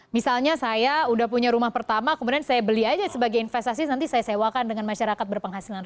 misalnya saya udah punya rumah pertama kemudian saya beli aja sebagai investasi nanti saya sewakan dengan masyarakat berpenghasilan rendah